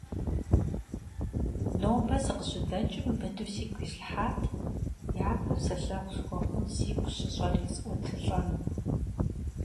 Нобэ сыкъыщыдэкӀым быдэу сигу ислъхьат япэ псэлъэгъу схуэхъум сигу щыщӀэр есӀуэтылӀэну.